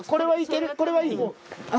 これはいい？